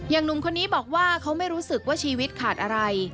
หนุ่มคนนี้บอกว่าเขาไม่รู้สึกว่าชีวิตขาดอะไร